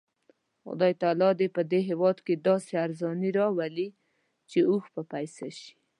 خدای تعالی دې په هېواد کې داسې ارزاني راولي چې اوښ په پیسه شي.